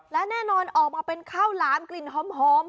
แล้วแน่นอนออกมาเป็นข้าวล้ำกลิ่นหอมหอม